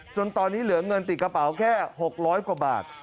จนตอนนี้เหลือเงินติดกระเป๋าแค่๖๐๐กว่าบาท